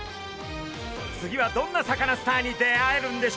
次はどんなサカナスターに出会えるんでしょうか？